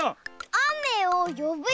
あめをよぶひと！